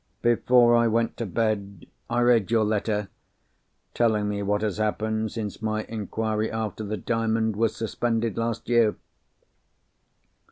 "Before I went to bed, I read your letter, telling me what has happened since my inquiry after the Diamond was suspended last year.